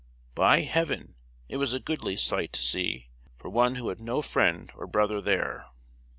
"By Heaven! it was a goodly sight to see, For one who had no friend or brother there."